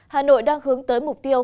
hà nội đang hướng tới mục tiêu